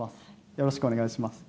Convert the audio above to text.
よろしくお願いします